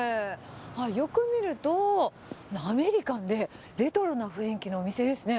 よく見ると、なんかアメリカンで、レトロな雰囲気のお店ですね。